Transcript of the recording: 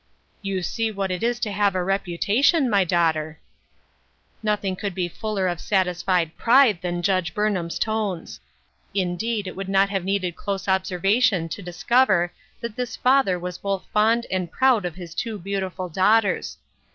" You see what it is to have a reputation, my daughter." Nothing could be fuller of satisfied pride than Judge Burnham's tones. Indeed, it would not have needed close observation to discover that this father was both fond and proud of his two beautiful daughters.